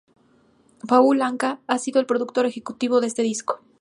Paul Anka ha sido el productor ejecutivo de este disco.